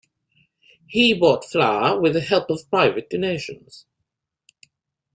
He bought flour with the help of private donations.